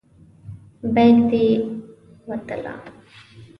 بیک دې وتله.